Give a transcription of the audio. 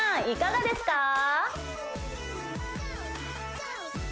いかがですか？